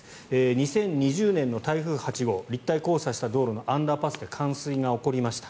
２０２２年の台風８号立体交差した道路のアンダーパスで冠水が起こりました。